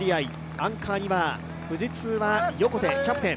アンカーには富士通は横手キャプテン。